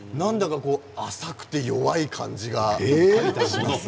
浅くて弱い感じがしますね。